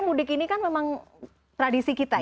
mudik ini kan memang tradisi kita ya